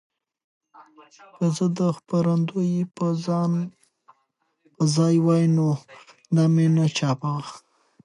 که زه د خپرندوی په ځای وای نو دا مې نه چاپوه.